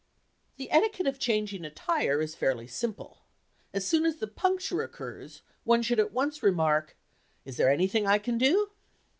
The etiquette of changing a tire is fairly simple. As soon as the "puncture" occurs one should at once remark, "Is there anything I can do?"